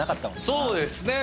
そうですね。